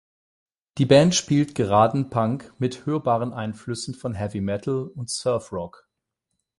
Die Band spielt geraden Punk mit hörbaren Einflüssen von Heavy Metal und Surf-Rock.